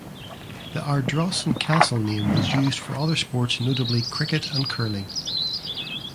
The Ardrossan Castle name was used for other sports notably cricket and curling.